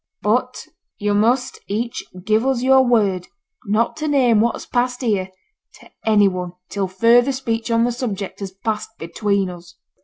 But yo' must each give us yo'r word not to name what has passed here to any one till further speech on the subject has passed between us.'